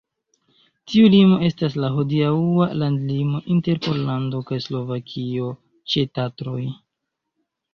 Tiu limo estas la hodiaŭa landlimo inter Pollando kaj Slovakio ĉe Tatroj.